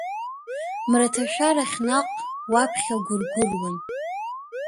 Мраҭашәарахь наҟ уаԥхьа гәыргәыруан…